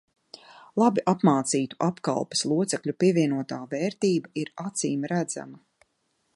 Labi apmācītu apkalpes locekļu pievienotā vērtība ir acīmredzama.